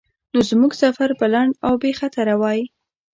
نو زموږ سفر به لنډ او بیخطره وای.